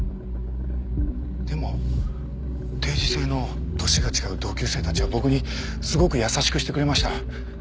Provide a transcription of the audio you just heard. でも定時制の歳が違う同級生たちは僕にすごく優しくしてくれました。